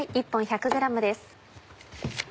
１本１００ｇです。